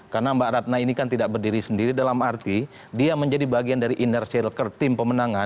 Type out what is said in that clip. karena mbak ratna ini kan tidak berdiri sendiri dalam arti dia menjadi bagian dari inner shaker tim pemenangan